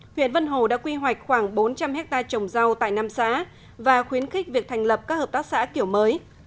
huyện vân hồ đã quy hoạch khoảng bốn trăm linh hectare trồng rau tại năm xã và khuyến khích việc thành lập các hợp tác xã kiểu mới